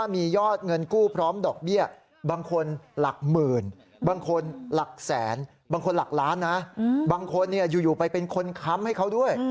แม้บางคนหลักล้านนะบางคนอยู่ไปเป็นคนค้ำให้เขาด้วย